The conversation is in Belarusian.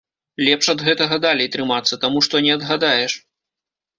Лепш ад гэтага далей трымацца, таму што не адгадаеш.